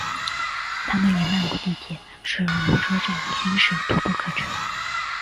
它们与曼谷地铁的是隆车站均是徙步可至。